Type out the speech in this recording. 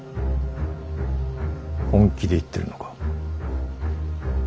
本気で言ってるのか？